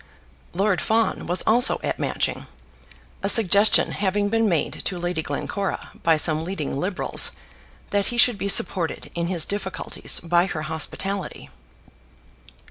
Lord Fawn was also at Matching, a suggestion having been made to Lady Glencora by some leading Liberals that he should be supported in his difficulties by her hospitality.